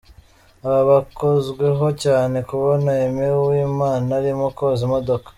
Aba bakozweho cyane kubona Aime Uwimana arimo koza imodoka.